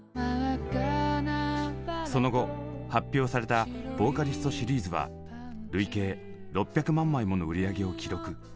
その後発表された「ＶＯＣＡＬＩＳＴ」シリーズは累計６００万枚もの売り上げを記録。